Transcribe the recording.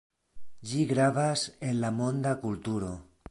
Ĝi gravas en la monda kulturo.